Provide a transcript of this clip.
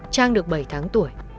trang được bảy tháng tuổi